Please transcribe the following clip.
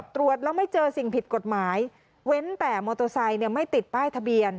ตรวจแล้วไม่เจอสิ่งผิดกฎหมายเว้นแต่มอเตอร์ไซค์ไม่ติดป้ายทะเบียน